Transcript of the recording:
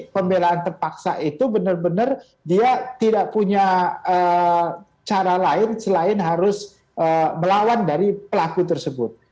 pembelaan terpaksa itu benar benar dia tidak punya cara lain selain harus melawan dari pelaku tersebut